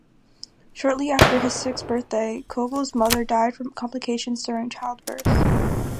Shortly before his sixth birthday, Koegel's mother died from complications during childbirth.